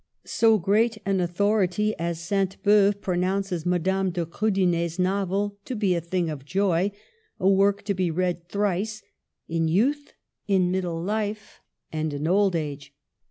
So great an authority as St. Beuve pronounces Madame de Kriidener's novel to be a thing of joy, a work to be read thrice, " in youth, in middle life, and in old age."